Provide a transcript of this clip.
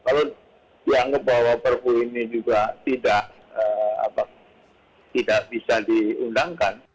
kalau dianggap bahwa perpu ini juga tidak bisa diundangkan